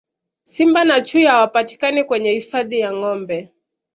simba na chui hawapatikani kwenye hifadhi ya gombe